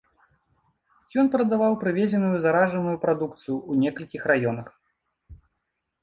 Ён прадаваў прывезеную заражаную прадукцыю ў некалькіх раёнах.